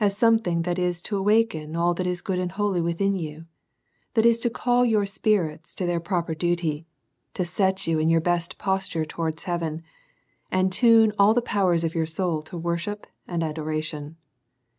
187 something that is to awaken all that is good and holy within you, that is to call your spirits to their pro per duty, to set you in your best posture towards hea ven, and tune all the powers of your soul to worship and adoration.